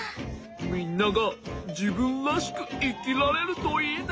みんながじぶんらしくいきられるといいね。